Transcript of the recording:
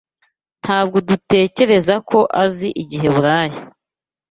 Ntabwo dutekereza ko azi Igiheburayo.